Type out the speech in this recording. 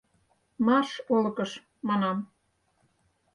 — Марш олыкыш, манам!